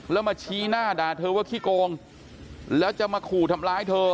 แล้วมาชี้หน้าด่าเธอว่าขี้โกงแล้วจะมาขู่ทำร้ายเธอ